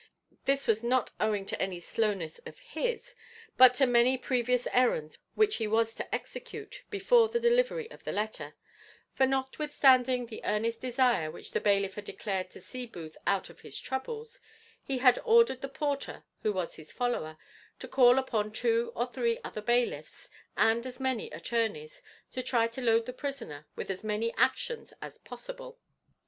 This was not owing to any slowness of his, but to many previous errands which he was to execute before the delivery of the letter; for, notwithstanding the earnest desire which the bailiff had declared to see Booth out of his troubles, he had ordered the porter, who was his follower, to call upon two or three other bailiffs, and as many attorneys, to try to load his prisoner with as many actions as possible.